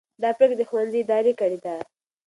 دا پرېکړه د ښوونځي ادارې کړې ده.